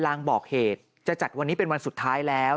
ลางบอกเหตุจะจัดวันนี้เป็นวันสุดท้ายแล้ว